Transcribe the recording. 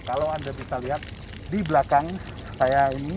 kalau anda bisa lihat di belakang saya ini